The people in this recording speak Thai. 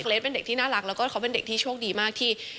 เล็กเป็นเด็กที่น่ารักแล้วก็เขาเป็นเด็กที่โชคดีมากที่